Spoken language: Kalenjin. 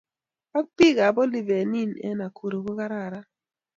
Ak bikab Oliven in en Nakuru ko kararan